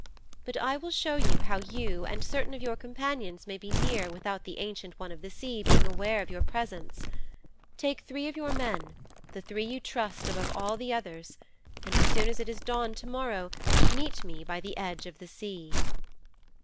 But I will show you how you and certain of your companions may be near without the Ancient One of the Sea being aware of your presence. Take three of your men the three you trust above all the others and as soon as it is dawn to morrow meet me by the edge of the sea."'